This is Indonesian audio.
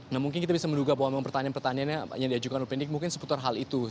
nah mungkin kita bisa menduga bahwa memang pertanyaan pertanyaannya yang diajukan opening mungkin seputar hal itu